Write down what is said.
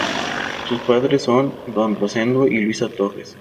Sus padres don Rosendo y Luisa Torres.